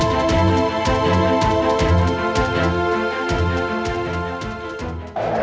tapi aku adalah penuasa